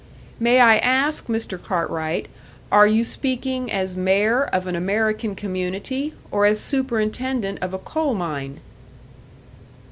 "May I ask, Mr. Cartwright, are you speaking as mayor of an American community, or as superintendent of a coal mine?"